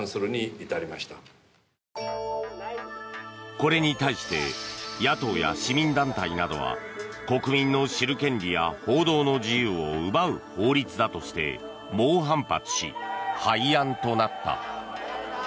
これに対して野党や市民団体などは国民の知る権利や報道の自由を奪う法律だとして猛反発し、廃案となった。